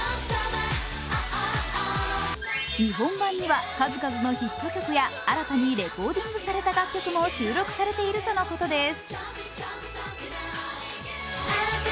日本盤には数々のヒット曲や新たにレコーディングされた楽曲も収録されているとのことです。